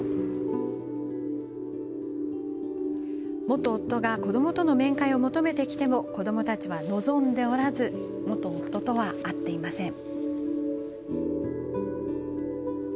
元夫が子どもとの面会を求めてきても子どもたちは望んでおらず元夫とは会っていません。